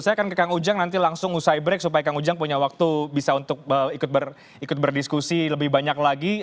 saya akan ke kang ujang nanti langsung usai break supaya kang ujang punya waktu bisa untuk ikut berdiskusi lebih banyak lagi